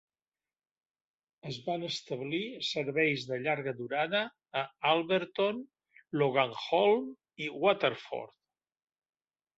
Es van establir serveis de llarga durada a Alberton, Loganholme i Waterford.